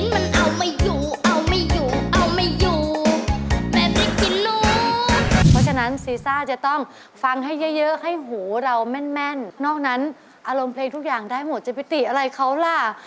เพราะฉะนั้นซีซ่าจะต้องฟังให้เยอะให้หูเราแม่นนอกนั้นอารมณ์เพลงทุกอย่างได้หมดจะไปติอะไรเขาล่ะ